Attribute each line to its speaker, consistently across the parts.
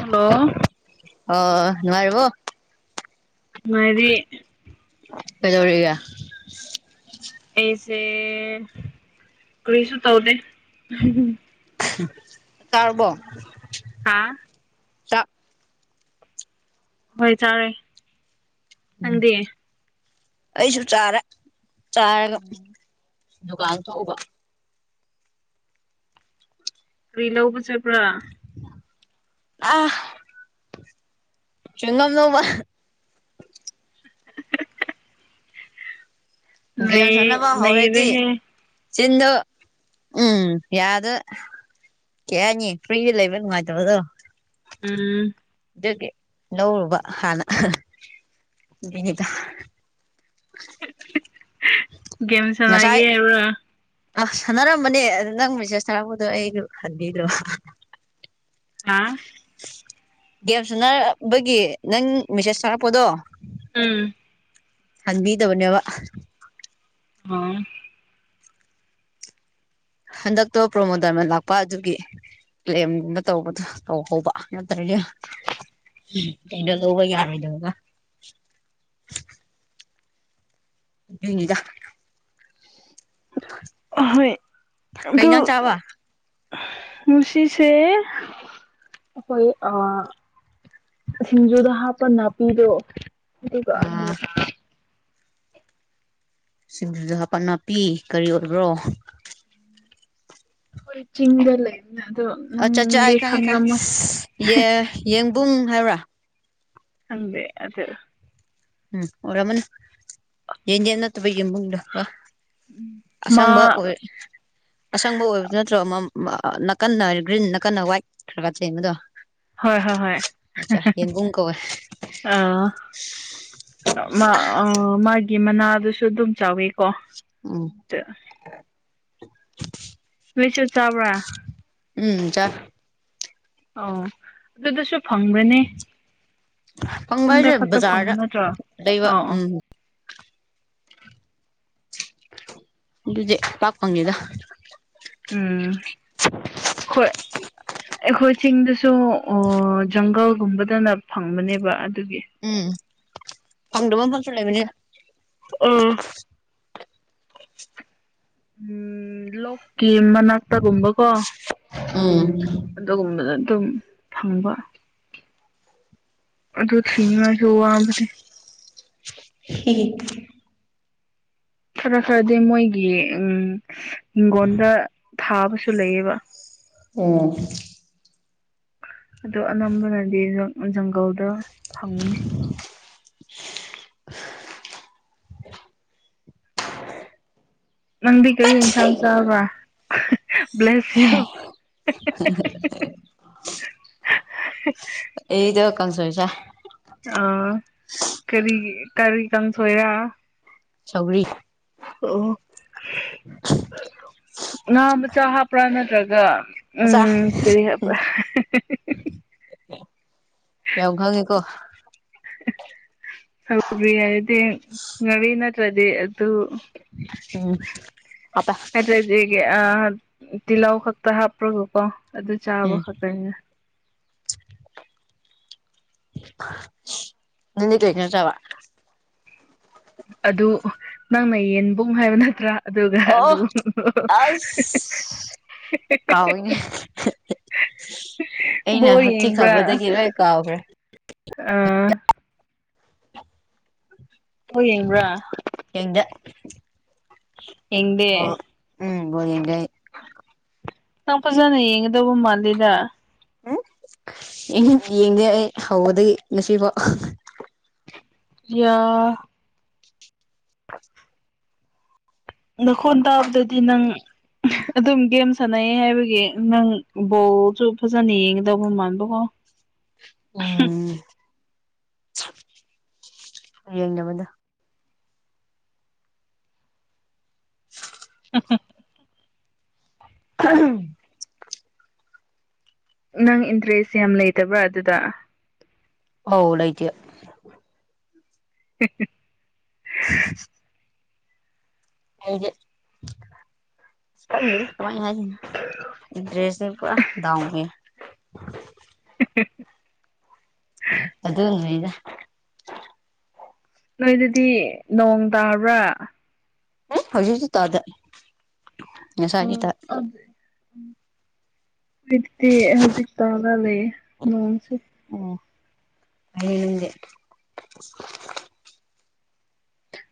Speaker 1: hello
Speaker 2: ꯑꯣ ꯅꯨꯉꯥꯏꯔꯤꯕꯣ
Speaker 1: ꯅꯨꯉꯥꯏꯔꯤ
Speaker 2: ꯀꯩꯗꯧꯔꯤꯒꯦ
Speaker 1: ꯑꯩꯁꯦ ꯀꯔꯤꯁꯨ ꯇꯧꯗꯦ
Speaker 2: ꯆꯥꯔꯕꯣ
Speaker 1: ꯍꯥꯥ
Speaker 2: ꯆꯥꯛ
Speaker 1: ꯍꯣꯏ ꯆꯥꯔꯦ ꯅꯪꯗꯤ
Speaker 2: ꯑꯩꯁꯨ ꯆꯥꯔꯦ ꯆꯥꯔꯒ ꯗꯨꯀꯥꯟ ꯊꯣꯛꯎꯕ
Speaker 1: ꯀꯔꯤ ꯂꯧꯕ ꯆꯠꯕ꯭ꯔꯥ
Speaker 2: ꯑꯥ ꯆꯨꯏꯡꯒꯝ ꯂꯧꯕ
Speaker 1: [unintelligible]
Speaker 2: ꯒꯦꯝ
Speaker 1: ꯅꯩ
Speaker 2: ꯁꯟꯅꯕ ꯍꯧꯔꯦꯗꯤ
Speaker 1: ꯅꯩꯔꯦꯍꯦ
Speaker 2: ꯆꯤꯟꯗꯨ ꯎꯝ ꯌꯥꯗ ꯀꯩ ꯍꯥꯏꯅꯤ ꯐ꯭ꯔꯤꯗ ꯂꯩꯕ ꯅꯨꯡꯉꯥꯏꯇꯕꯗꯣ
Speaker 1: ꯎꯝ
Speaker 2: ꯑꯗꯨꯒꯤ ꯂꯧꯔꯨꯕ ꯍꯥꯟꯅ ꯗꯨꯒꯤꯅꯤꯗ [unintelligible]
Speaker 1: ꯒꯦꯝ ꯁꯅꯥꯒꯦ ꯍꯥꯏꯕ꯭ꯔꯥ
Speaker 2: ꯑꯥ ꯁꯥꯟꯅꯔꯝꯕꯅꯦ ꯑꯗꯨ ꯅꯪꯕ ꯃꯦꯁꯦꯁ ꯊꯔꯛꯄꯗꯣ ꯑꯩꯗꯨ ꯍꯟꯕꯤꯗ꯭ꯔꯥꯕ
Speaker 1: ꯍꯥꯥ
Speaker 2: ꯒꯦꯝ ꯁꯨꯟꯅꯕꯒꯤ ꯅꯪ ꯃꯦꯁꯦꯖ ꯊꯥꯔꯛꯄꯗꯣ
Speaker 1: ꯎꯝ
Speaker 2: ꯍꯟꯕꯤꯗꯕꯅꯦꯋꯥ
Speaker 1: ꯑꯥ
Speaker 2: ꯍꯟꯗꯛꯇꯣ ꯄ꯭ꯔꯣꯃꯣ ꯗꯥꯏꯃꯟ ꯂꯥꯛꯄ ꯑꯗꯨꯒꯤ ꯀꯂꯦꯝꯒꯨꯝꯕ ꯇꯧꯕꯗꯨ ꯇꯧꯍꯧꯕ ꯅꯠꯇ꯭ꯔꯗꯤ ꯀꯩꯅꯣ ꯂꯧꯕ ꯌꯥꯔꯣꯏꯗꯕ ꯑꯗꯨꯏꯅꯤꯗ [unintelligible]
Speaker 1: ꯑꯍꯣꯏ
Speaker 2: ꯀꯩ
Speaker 1: ꯑꯗꯨ
Speaker 2: ꯏꯟꯖꯥꯡ ꯆꯥꯕ
Speaker 1: ꯃꯨꯁꯤꯁꯦ ꯑꯩꯈꯣꯏ ꯑꯥ ꯁꯤꯡꯖꯨꯗ ꯍꯥꯞꯄ ꯅꯥꯄꯤꯗꯣ
Speaker 2: ꯑꯥ
Speaker 1: [unintelligible]
Speaker 2: ꯁꯤꯡꯖꯨꯗ ꯍꯥꯄ ꯅꯥꯄꯤ ꯀꯔꯤ ꯑꯣꯏꯕ꯭ꯔꯣ
Speaker 1: ꯑꯩꯈꯣꯏ ꯆꯤꯡꯗ ꯂꯩꯕꯅꯦ ꯑꯗꯣ
Speaker 2: ꯑꯠꯆꯥ ꯆꯥ
Speaker 1: ꯅꯪꯗꯤ
Speaker 2: ꯑꯩ ꯈꯪꯉꯦ ꯈꯪꯉꯦ
Speaker 1: ꯈꯪꯂꯝꯝꯃꯣꯏ
Speaker 2: ꯌꯦ ꯌꯦꯡꯕꯨꯡ ꯍꯥꯏꯕ꯭ꯔꯥ
Speaker 1: ꯈꯪꯗꯦ ꯑꯗꯨ
Speaker 2: ꯎꯝ ꯑꯣꯔꯃꯅꯤ ꯌꯦꯟꯗꯦꯝ ꯅꯠꯇꯕ ꯌꯦꯟꯕꯨꯡꯗꯣ
Speaker 1: ꯃꯥ
Speaker 2: ꯑꯁꯪꯕ ꯑꯣꯏ ꯑꯁꯪꯕ ꯑꯣꯏꯕꯗꯨ ꯅꯠꯇ꯭ꯔꯣ ꯑꯃ ꯅꯥꯀꯟꯅ ꯒ꯭ꯔꯤꯟ ꯅꯥꯀꯟꯅ ꯋꯥꯏꯠ ꯈꯔꯒꯔ ꯆꯦꯟꯕꯗꯣ
Speaker 1: ꯍꯣꯏ ꯍꯣꯏ ꯍꯣꯏ
Speaker 2: ꯑꯠꯆꯥ ꯌꯦꯟꯕꯨꯡ ꯀꯧꯋꯦ
Speaker 1: ꯑ ꯃꯥ ꯑ ꯃꯥꯒꯤ ꯃꯅꯥꯗꯨꯁꯨ ꯑꯗꯨꯝ ꯆꯥꯎꯋꯦ ꯀꯣ
Speaker 2: ꯎꯝ
Speaker 1: ꯇ [unintelligible] ꯆꯥꯕ꯭ꯔꯥ
Speaker 2: ꯎꯝ ꯆꯥꯏ
Speaker 1: ꯑꯣ ꯑꯗꯨꯗꯁꯨ ꯐꯪꯕꯔꯥꯅꯦ
Speaker 2: ꯐꯪꯕ
Speaker 1: ꯆꯤꯡꯗ
Speaker 2: ꯍꯥꯏꯁꯦ
Speaker 1: ꯈꯛꯇ ꯐꯪꯕ
Speaker 2: ꯕꯖꯥꯔꯗ
Speaker 1: ꯅꯠꯇ꯭ꯔꯣ
Speaker 2: ꯂꯩꯕ
Speaker 1: ꯑꯣ ꯑꯣ
Speaker 2: ꯎꯝ ꯑꯗꯨꯗꯤ ꯄꯥꯛ ꯐꯪꯗꯦꯗ
Speaker 1: ꯎꯝ ꯍꯣꯏ ꯑꯩꯈꯣꯏ ꯆꯤꯡꯗꯁꯨ ꯑ ꯖꯪꯒꯜꯒꯨꯝꯕꯗꯅ ꯐꯪꯕꯅꯦꯕ ꯑꯗꯨꯒꯤ
Speaker 2: ꯎꯝ ꯐꯪꯗꯕ ꯃꯐꯝꯁꯨ ꯂꯩꯕꯅꯤ
Speaker 1: ꯑ ꯎꯝ ꯂꯣꯛꯀꯤ ꯃꯅꯥꯛꯇꯒꯨꯝꯕꯀꯣ
Speaker 2: ꯎꯝ
Speaker 1: ꯑꯗꯨꯒꯨꯝꯕꯗ ꯑꯗꯨꯝ ꯐꯪꯕ ꯑꯗꯨ ꯊꯤꯅꯥꯉꯥꯏꯁꯨ ꯋꯥꯕꯅꯦ
Speaker 2: [unintelligible]
Speaker 1: ꯈꯔ ꯈꯔꯗꯤ ꯃꯣꯏꯒꯤ ꯎꯝ ꯍꯤꯡꯒꯣꯟꯗ ꯊꯥꯕꯁꯨ ꯂꯩꯌꯦꯕ
Speaker 2: ꯑꯣ
Speaker 1: ꯑꯗꯣ ꯑꯅꯝꯕꯅꯗꯤ ꯖꯪꯒꯜꯗ ꯐꯪꯕꯅꯤ ꯅꯪꯗꯤ ꯀꯔꯤ ꯌꯦꯟꯁꯥꯡ ꯆꯥꯕ꯭ꯔꯥ ꯕ꯭ꯂꯦꯁ ꯌꯨ
Speaker 2: ꯑꯩꯗꯣ ꯀꯪꯁꯣꯏ ꯆꯥꯏ
Speaker 1: ꯑ ꯀꯔꯤ ꯀꯔꯤ ꯀꯥꯡꯁꯣꯏꯔ
Speaker 2: ꯁꯧꯒꯔꯤ
Speaker 1: ꯑꯣ ꯉꯥ ꯃꯆꯥ ꯍꯥꯞꯄ꯭ꯔꯥ ꯅꯠꯇ꯭ꯔꯒ
Speaker 2: ꯃꯆꯥ
Speaker 1: ꯎꯝ ꯀꯔꯤ ꯍꯥꯏꯕ꯭ꯔ
Speaker 2: ꯌꯥꯝ ꯈꯪꯉꯦꯀꯣ
Speaker 1: ꯁꯧꯒꯔꯤ ꯍꯥꯏꯔꯗꯤ ꯉꯥꯔꯤ ꯅꯠꯇ꯭ꯔꯗꯤ ꯑꯗꯨ
Speaker 2: ꯎꯝ ꯑꯥꯠꯇ
Speaker 1: [unintelligible] ꯇꯤꯜꯍꯥꯎ ꯈꯛꯇ ꯍꯥꯞꯄ꯭ꯔꯣꯒꯀꯣ ꯑꯗꯨ ꯆꯥꯕ
Speaker 2: ꯎꯝ
Speaker 1: ꯈꯛꯇꯅꯤꯅ
Speaker 2: [unintelligible] ꯅꯪꯗꯤ ꯀꯩ ꯏꯟꯖꯥꯡ ꯆꯥꯕꯥ
Speaker 1: ꯑꯗꯨ ꯅꯪꯅ ꯌꯦꯟꯕꯨꯡ ꯍꯥꯏꯕ ꯅꯠꯇ꯭ꯔꯥ ꯑꯗꯨꯒ ꯑꯂꯨ
Speaker 2: ꯑꯣ ꯀꯥꯎꯋꯤꯅꯦ ꯑꯩꯅ
Speaker 1: ꯕꯣꯜ
Speaker 2: ꯍꯛꯊꯤ ꯈꯥꯕꯗꯒꯤ ꯂꯣꯏ ꯀꯥꯎꯈ꯭ꯔꯦ
Speaker 1: ꯑꯥ ꯕꯣꯜ ꯌꯦꯡꯕ꯭ꯔꯥ
Speaker 2: ꯌꯦꯡꯗꯦ
Speaker 1: ꯌꯦꯡꯗꯦ
Speaker 2: ꯕꯣꯜ ꯎꯝ ꯕꯣꯜ ꯌꯦꯡꯗꯦ ꯑꯩ
Speaker 1: ꯅꯪ ꯐꯖꯅ ꯌꯦꯡꯒꯗꯧꯕ ꯃꯥꯜꯂꯤꯗ
Speaker 2: ꯌꯦꯡꯗꯦ ꯑꯩ ꯍꯧꯕꯗꯒꯤ ꯉꯁꯤꯐꯥꯎ
Speaker 1: ꯌꯥ
Speaker 2: [unintelligible]
Speaker 1: ꯅꯈꯣꯟ ꯇꯥꯕꯗꯗꯤ ꯅꯪ ꯑꯗꯨꯝ ꯒꯦꯝ ꯁꯥꯟꯅꯩ ꯍꯥꯏꯕꯒꯤ ꯅꯪ ꯕꯣꯜꯁꯨ ꯐꯖꯅ ꯌꯦꯡꯒꯗꯧꯕ ꯃꯥꯟꯕꯀꯣ
Speaker 2: ꯎꯝ ꯌꯦꯡꯗꯕꯅꯦ [inaudible]
Speaker 1: ꯑ
Speaker 2: [inaudible]
Speaker 1: ꯅꯪ ꯏꯟꯇꯔꯦꯁ ꯌꯥꯝ ꯂꯩꯇꯕ꯭ꯔꯥ ꯑꯗꯨꯗ
Speaker 2: ꯍꯧ ꯂꯩꯥꯏꯇꯦ
Speaker 1: [unintelligible]
Speaker 2: [unintelligible] ꯗ ꯀꯃꯥꯏꯣ ꯗ꯭ꯔꯦꯁꯅꯤ ꯄꯨꯔꯥ [unintelligible] ꯗꯥꯎꯒꯤ
Speaker 1: [unintelligible]
Speaker 2: ꯑꯗꯨꯏꯗ
Speaker 1: ꯅꯣꯏꯗꯗꯤ ꯅꯣꯡ ꯇꯥꯕ꯭ꯔꯥ
Speaker 2: ꯍꯧꯖꯤꯛꯁꯨ ꯇꯗ
Speaker 1: ꯑ ꯑꯗꯨꯗ ꯎ [unintelligible] ꯍꯧꯗꯤ ꯍꯧꯖꯤꯛ ꯇꯥꯒ ꯂꯩ ꯅꯣꯡꯁꯤ
Speaker 2: ꯑꯣꯅꯤꯡ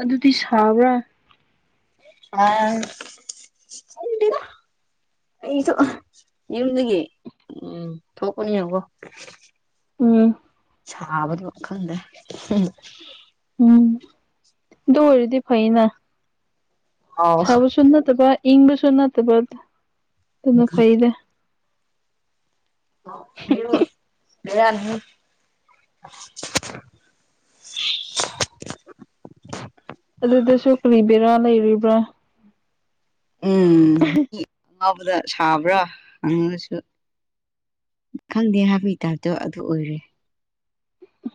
Speaker 1: ꯑꯗꯨꯗꯤ ꯁꯥꯎ꯭ꯔꯥ
Speaker 2: [unintelligible] ꯑꯩ ꯊꯣꯛ ꯌꯨꯝꯗꯒꯤ ꯎꯝ ꯊꯣꯛꯄꯅꯤꯅꯀꯣ
Speaker 1: ꯎꯝ
Speaker 2: ꯁꯥꯕꯗꯣ ꯈꯪꯗ꯭ꯔꯦ [unintelligible]
Speaker 1: ꯎꯝ ꯑꯗꯨ ꯑꯣꯏꯔꯗꯤ ꯐꯩꯅ
Speaker 2: ꯑꯥꯎ
Speaker 1: ꯁꯥꯕꯁꯨ ꯅꯠꯇꯕ ꯏꯪꯕꯁꯨ ꯅꯠꯇꯕꯗ ꯑꯗꯨꯅ ꯐꯩꯗꯦ
Speaker 2: ꯂꯩ ꯌꯥ [unintelligible]
Speaker 1: ꯑꯗꯨꯗꯁꯨ ꯀꯔꯤꯕꯔꯥ ꯂꯩꯔꯤꯕ꯭ꯔꯥ
Speaker 2: ꯎꯝ ꯃꯤ ꯑꯉꯥꯎꯕꯗ ꯁꯥꯕ꯭ꯔꯥ ꯍꯪꯉꯒꯁꯨ ꯈꯪꯗꯦ ꯍꯥꯄꯤꯇꯥꯞꯇꯣ ꯑꯗꯨ ꯑꯣꯏꯔꯦ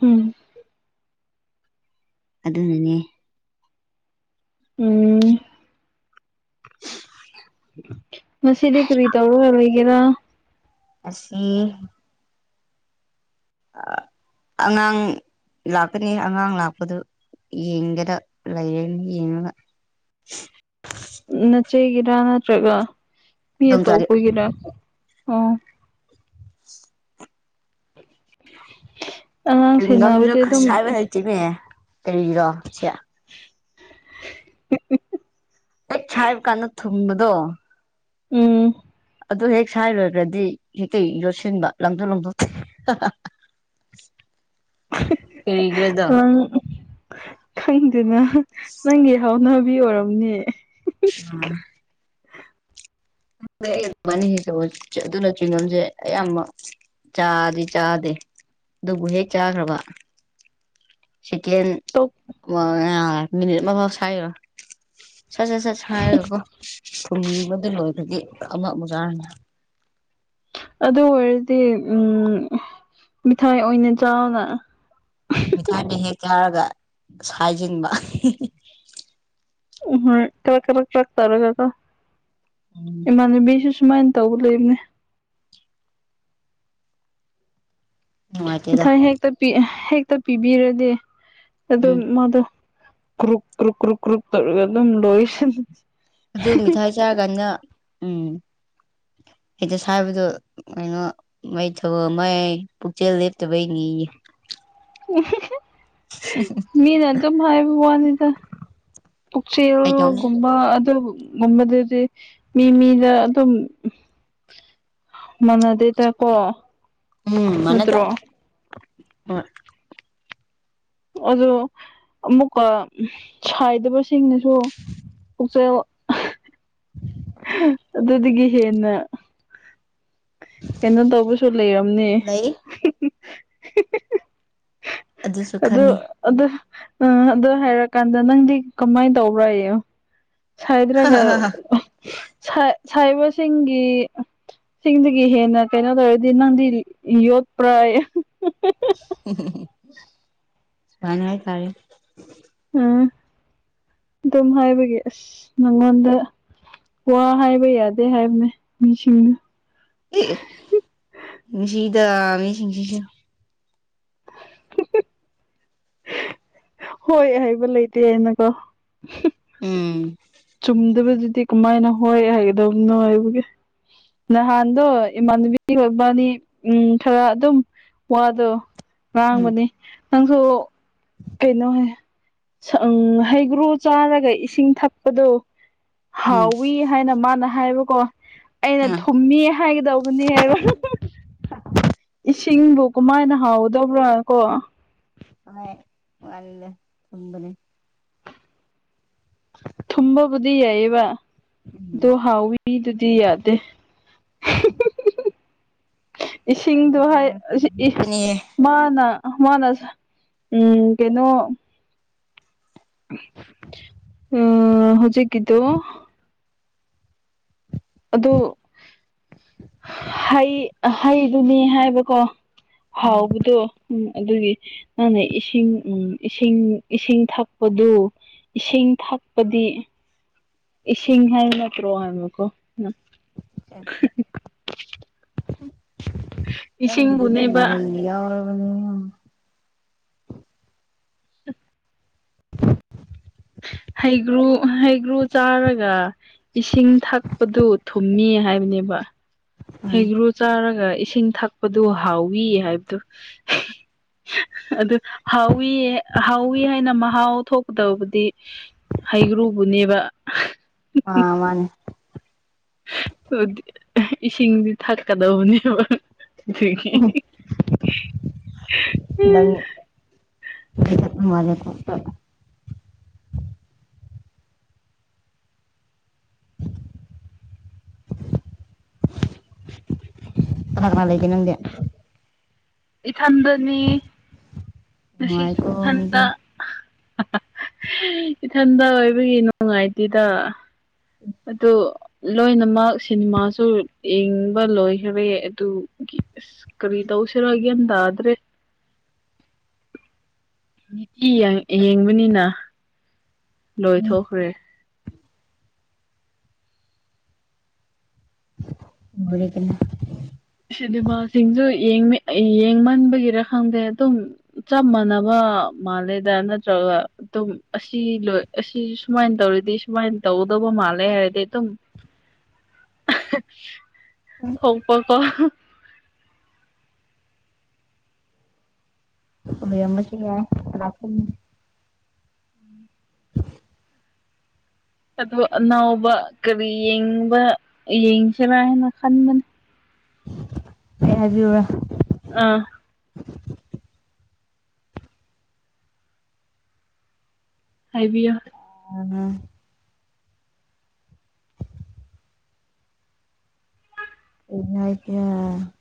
Speaker 1: ꯎꯝ
Speaker 2: ꯑꯗꯨꯅꯅꯦ
Speaker 1: ꯎꯝ
Speaker 2: [inaudible]
Speaker 1: ꯉꯗꯤ ꯀꯔꯤ ꯇꯧꯔ ꯂꯩꯒꯦꯔꯥ
Speaker 2: ꯑꯁꯤ ꯑꯉꯥꯡ ꯂꯥꯛꯀꯅꯤ ꯑꯉꯥꯡ ꯂꯥꯛꯄꯗꯨ ꯌꯦꯒꯗ ꯂꯩ ꯌꯦꯉ [unintelligible]
Speaker 1: ꯎ ꯅꯆꯦꯒꯤꯔꯥ ꯅꯠꯇ꯭ꯔꯒ ꯃꯤ
Speaker 2: ꯏꯗꯣꯝꯆꯥꯗꯤ
Speaker 1: ꯑꯇꯣꯞꯄꯨꯒꯤꯔꯥ ꯑꯣ ꯑꯉꯥꯡ
Speaker 2: ꯆꯤꯡꯒꯁꯨ
Speaker 1: ꯁꯦꯟꯅꯕꯗꯤ ꯑꯗꯨꯝ
Speaker 2: ꯈꯁꯥꯏꯕ ꯂꯩꯇꯤꯅꯦ ꯀꯔꯤꯔꯣ ꯁꯤ
Speaker 1: [unintelligible]
Speaker 2: ꯍꯦꯛ ꯆꯥꯏꯕ ꯀꯥꯟꯗ ꯊꯨꯡꯕꯗꯣ
Speaker 1: ꯎꯝ
Speaker 2: ꯑꯗꯨ ꯍꯦꯛ ꯁꯥꯏꯔꯨꯔꯨꯔꯗꯤ ꯏꯀꯩ ꯌꯣꯠꯁꯤꯟꯕ ꯂꯪꯊꯣꯛ ꯂꯥꯡꯊꯣꯛꯇꯦ [unintelligible] [inaudible]
Speaker 1: [unintelligible] ꯑꯪ ꯈꯪꯗꯦꯅ
Speaker 2: [unintelligible]
Speaker 1: ꯅꯪꯒꯤ ꯍꯥꯎꯅꯕꯤ ꯑꯣꯏꯔꯝꯅꯦ
Speaker 2: ꯎꯝ ꯅꯤ ꯑꯗꯨꯅ ꯆꯤꯡꯅꯣꯟꯁꯦ ꯑꯌꯥꯝꯕ ꯆꯥꯗꯤ ꯆꯥꯗꯦ ꯑꯗꯨꯕꯨ ꯍꯦꯛ ꯆꯥꯈ꯭ꯔꯕ ꯁꯤꯇ [unintelligible]
Speaker 1: ꯇꯣꯛ
Speaker 2: ꯃꯤ ꯁꯔ ꯁꯠ ꯁꯠ ꯁꯠ ꯍꯥꯏꯔꯒꯀꯣ ꯊꯨꯝꯕꯗꯨ ꯂꯣꯏꯕꯒꯤ ꯑꯃ ꯑꯃꯖꯥꯔꯅꯦ
Speaker 1: ꯑꯗꯨ ꯑꯣꯏꯔꯗꯤ ꯎꯝ ꯃꯤꯊꯥꯏ ꯑꯣꯏꯅ ꯆꯥꯎꯅ [unintelligible]
Speaker 2: ꯃꯤꯊꯥꯏꯃ ꯍꯦꯛ ꯆꯥꯔꯒ ꯁꯥꯏꯖꯤꯟꯕ [unintelligible]
Speaker 1: ꯎꯝ ꯍꫭꯏ ꯊꯕꯛ ꯈꯔ ꯀꯔꯛ [unintelligible] ꯇꯥꯛ ꯇꯔ ꯀꯀ
Speaker 2: ꯎꯝ
Speaker 1: ꯏꯃꯅꯦ ꯁꯨ ꯁꯨꯃꯥꯏ ꯇꯧ ꯂꯩꯕꯅꯦ
Speaker 2: ꯅꯨꯡꯉꯥꯏꯇꯦꯗ
Speaker 1: ꯃꯤꯊꯥꯏ ꯍꯦꯛꯇ ꯍꯦꯛꯇ ꯄꯤꯕꯤꯔꯗꯤ
Speaker 2: ꯎꯝ
Speaker 1: ꯑꯗꯨꯝ ꯃꯥꯗꯣ ꯀ꯭ꯔꯨꯛ ꯀ꯭ꯔꯨꯛ ꯀ꯭ꯔꯨꯛ ꯀ꯭ꯔꯨꯛ ꯇꯧꯒ ꯑꯗꯨꯝ ꯂꯣꯏꯁ
Speaker 2: ꯑꯗꯨ ꯃꯤꯊꯥꯏ ꯆꯥꯔꯀꯥꯟꯗ ꯎꯝ ꯍꯦꯛꯇ ꯁꯥꯕꯗꯣ ꯀꯩꯅꯣ ꯃꯩ ꯊꯕ [unintelligible] ꯃꯥꯏ ꯄꯨꯛꯆꯦꯜ ꯂꯦꯞꯇꯕꯩꯅꯤꯌꯦ
Speaker 1: ꯎꯝꯍꯝꯍꯝ [unintelligible] ꯃꯤꯅ ꯑꯗꯨꯝ ꯍꯥꯏꯕ ꯋꯥꯅꯤꯗ
Speaker 2: ꯐꯥꯒꯤ ꯇꯧꯅꯤ
Speaker 1: ꯄꯨꯛꯆꯦꯜꯒꯨꯝ ꯕ ꯑꯗꯨꯝꯒꯨꯝꯕꯗꯨꯗꯤ ꯃꯤ ꯃꯤꯗ ꯑꯗꯨꯝ ꯃꯅꯗꯦꯗꯀꯣ
Speaker 2: ꯎꯝ ꯃꯅꯦꯗꯦ
Speaker 1: ꯑꯗꯨ ꯑꯃꯨꯛꯀ ꯁꯥꯏꯗꯕꯁꯤꯡꯅꯁꯨ ꯄꯨꯛꯆꯦꯜ ꯑꯗꯨꯗꯒꯤ ꯍꯦꯟꯅ ꯀꯩꯅꯣ ꯇꯧꯕꯁꯨ ꯂꯩꯔꯝꯅꯤ
Speaker 2: ꯂꯩ ꯑꯗꯨꯁꯨ
Speaker 1: ꯑꯗꯨ
Speaker 2: ꯈꯪꯉꯤ
Speaker 1: ꯑꯗꯨ ꯑ ꯑꯗꯨ ꯍꯥꯏꯔꯀꯥꯟꯗ ꯅꯪꯗꯤ ꯀꯃꯥꯏꯅ ꯇꯧꯕ꯭ꯔꯥ ꯌꯣ ꯁꯥꯏꯗ꯭ꯔꯥꯒ ꯁꯥꯏ ꯁꯥꯏꯕꯁꯤꯡꯒꯤ ꯆꯤꯡꯗꯒꯤ ꯍꯦꯟꯅ ꯀꯩꯅꯣ ꯇꯧꯔꯗꯤ ꯅꯪꯗꯤ ꯌꯣꯠꯄ꯭ꯔꯥꯌꯦ
Speaker 2: ꯁꯨꯃꯥꯏꯅ ꯍꯥꯏꯇꯔꯦ
Speaker 1: ꯎꯝ ꯑꯗꯨꯝ ꯍꯥꯏꯕꯒꯤ ꯑꯁ ꯅꯪꯉꯣꯟꯗ ꯋꯥ ꯍꯥꯏꯕ ꯌꯥꯗꯦ ꯍꯥꯏꯕꯅꯦ ꯅꯤꯡꯁꯤꯡꯉꯨ
Speaker 2: ꯑ‌‌ꯦꯑ‌ꯦ ꯅꯨꯡꯁꯤꯗ ꯃꯤꯁꯤꯡꯁꯤꯁꯨ
Speaker 1: ꯍꯣꯏ ꯍꯥꯏꯕ ꯂꯩꯇꯦꯅꯀꯣ
Speaker 2: ꯎꯝ
Speaker 1: ꯆꯨꯝꯗꯕꯗꯨꯗꯤ ꯀꯃꯥꯏꯅ ꯍꯣꯏ ꯍꯥꯏꯒꯗꯕꯅꯣ ꯍꯥꯏꯕꯒꯤ ꯅꯍꯥꯟꯗꯣ ꯏꯃꯥꯟꯅꯕꯤ ꯃꯕꯥꯟꯅꯤ ꯎꯝ ꯈꯔ ꯑꯗꯨꯝ ꯋꯥꯗꯣ
Speaker 2: ꯎꯝ
Speaker 1: ꯉꯥꯡꯕꯅꯤ ꯅꯪꯁꯨ
Speaker 2: [inaudible]
Speaker 1: ꯀꯩꯅꯣ ꯎꯝ ꯍꯩꯒ꯭ꯔꯨ ꯆꯥꯔꯒ ꯏꯁꯤꯡ ꯊꯛꯄꯗꯨ
Speaker 2: ꯎꯝ
Speaker 1: ꯍꯥꯎꯋꯤ ꯍꯥꯏꯅ ꯃꯥꯅ ꯍꯥꯏꯕꯀꯣ ꯑꯩꯅ
Speaker 2: ꯑ
Speaker 1: ꯊꯨꯝꯃꯤ ꯍꯥꯏꯒꯗꯧꯕꯅꯦ ꯍꯥꯏꯕ ꯏꯁꯤꯡꯕꯨ ꯀꯃꯥꯏꯅ ꯍꯥꯎꯗꯧꯕ꯭ꯔꯥ ꯀꯣ
Speaker 2: ꯍ ꯋꯥꯜ ꯊꯝꯕꯅꯤ [unintelligible]
Speaker 1: ꯊꯨꯝꯕꯕꯨꯗꯤ ꯌꯥꯏꯑ‌ꯦꯕ ꯑꯗꯣ ꯍꯥꯎꯋꯤꯗꯨꯗꯤ ꯌꯥꯗꯦ ꯏꯁꯤꯡꯗꯣ ꯍꯥꯏ ꯑꯁ ꯏ
Speaker 2: ꯑꯗꯨꯅꯦ
Speaker 1: ꯃꯥꯅ ꯃꯥꯅ ꯎꯝ ꯀꯩꯅꯣ ꯑꯝ ꯍꯧꯖꯤꯛꯀꯤꯗꯨ ꯑꯗꯨ ꯍꯩ ꯍꯩꯗꯨꯅꯦ ꯍꯥꯏꯕꯀꯣ ꯍꯥꯎꯕꯗꯨ ꯎꯝ ꯑꯗꯨꯒꯤ ꯅꯪꯅ ꯏꯁꯤꯡ ꯎꯝ ꯏꯁꯤꯡ ꯏꯁꯤꯡ ꯊꯛꯄꯗꯨ ꯏꯁꯤꯡ ꯊꯛꯄꯗꯤ ꯏꯁꯤꯡ ꯍꯥꯏꯕ ꯅꯠꯇ꯭ꯔꯣ ꯍꯥꯏꯕꯀꯣ
Speaker 2: ꯅꯪꯒꯤꯗꯨꯗꯤ
Speaker 1: ꯏꯁꯤꯡꯕꯨꯅꯦꯕ
Speaker 2: ꯃꯔꯩꯅꯤ ꯌꯥꯎꯔꯕꯅꯤ
Speaker 1: [inaudible]
Speaker 2: [unintelligible]
Speaker 1: ꯍꯩꯒ꯭ꯔꯨ ꯍꯩꯒ꯭ꯔꯨ ꯆꯥꯔꯒ ꯏꯁꯤꯡ ꯊꯛꯄꯗꯨ ꯊꯨꯝꯃꯤ ꯍꯥꯏꯕꯅꯦꯕ
Speaker 2: ꯎꯝ
Speaker 1: ꯍꯩꯒ꯭ꯔꯨ ꯆꯥꯔꯒ ꯏꯁꯤꯡ ꯊꯛꯄꯗꯨ ꯍꯥꯎꯋꯤ ꯍꯥꯏꯕꯗꯨ‌ ꯑꯗꯨ ꯍꯥꯎꯋꯤ ꯍꯥꯎꯋꯤ ꯍꯥꯏꯅ ꯃꯍꯥꯎ ꯊꯣꯛꯀꯗꯧꯕꯗꯤ ꯍꯩꯒ꯭ꯔꯨꯕꯨ ꯅꯦꯕ
Speaker 2: ꯑ ꯃꯥꯅꯦ
Speaker 1: unintelligible ꯏꯁꯤꯡꯗꯤ ꯊꯛꯀꯗꯧꯕꯅꯦꯕ ꯑꯗꯨꯒꯤ
Speaker 2: ꯅꯪ [unintelligible] ꯀꯅꯥ ꯀꯅꯥ ꯂꯩꯒꯦ ꯅꯪꯗꯤ
Speaker 1: ꯏꯊꯟꯗꯅꯤ ꯉꯁꯤꯁꯨ
Speaker 2: ꯅꯨꯡꯉꯥꯏꯀꯣ ꯃꯤꯗꯤ
Speaker 1: ꯏꯊꯟꯗ ꯏꯊꯟꯇ ꯑꯣꯏꯕꯒꯤ ꯅꯨꯡꯉꯥꯏꯇꯦꯗ
Speaker 2: ꯎꯝ [inaudible]
Speaker 1: ꯑꯗꯨ ꯂꯣꯏꯅꯃꯛ ꯁꯤꯅꯦꯃꯥꯁꯨ ꯌꯦꯡꯕ ꯂꯣꯏꯈꯔꯦ ꯑꯗꯨꯒꯤ ꯀ꯭ꯔꯤ ꯇꯧꯁꯤꯔ ꯒꯌꯥꯟ ꯇꯥꯗ꯭ꯔꯦ ꯅꯤꯇꯤ ꯌꯦꯡ ꯌꯦꯡꯕꯅꯤꯅ
Speaker 2: ꯎꯝ
Speaker 1: ꯂꯣꯏꯊꯣꯛꯈ꯭ꯔꯦ
Speaker 2: ꯂꫭꯏꯔꯦꯗꯅ
Speaker 1: ꯁꯤꯅꯦꯃꯥꯁꯤꯡꯁꯨ ꯌꯦꯡꯃꯦ ꯌꯦꯡꯃꯟꯕꯒꯤꯔ ꯈꯪꯗꯦ ꯑꯗꯨꯝ ꯆꯞ ꯃꯥꯟꯅꯕ ꯃꯥꯜꯂꯦꯗ ꯅꯠꯇ꯭ꯔꯒ ꯑꯗꯨꯝ ꯑꯁꯤ ꯂꯣꯏ ꯑꯁꯤ ꯁꯨꯃꯥꯏꯅ ꯇꯧꯔꯗꯤ ꯁꯨꯃꯥꯏꯅ ꯇꯧꯒꯗꯧꯕ ꯃꯥꯜꯂꯦ ꯍꯥꯏꯔꯗꯤ ꯑꯗꯨꯝ
Speaker 2: [inaudible]
Speaker 1: ꯑꯍꯥ
Speaker 2: ꯎꯝ
Speaker 1: ꯊꯣꯛꯄꯀꯣ
Speaker 2: ꯑꯣꯏꯔꯝꯕꯁꯨ ꯌꯥꯏ ꯀꯅꯥ ꯈꯪꯅꯤ
Speaker 1: ꯑꯗꯨ ꯑꯅꯧꯕ ꯀꯔꯤ ꯌꯦꯡꯕ ꯌꯦꯡꯁꯤꯔꯥ ꯍꯥꯏꯅ ꯈꯟꯕꯅꯤ
Speaker 2: ꯑꯩ ꯍꯥꯏꯕꯤꯌꯨꯔ
Speaker 1: ꯑꯥ ꯍꯥꯏꯕꯤꯌꯣ
Speaker 2: ꯎꯝ INAUDIBLE